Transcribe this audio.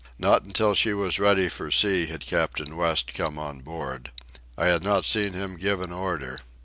Not until she was ready for sea had Captain West come on board. I had not seen him give an order.